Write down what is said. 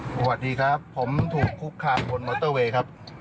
สวัสดีครับผมถูกคุกคามบนมอเตอร์เวย์ครับ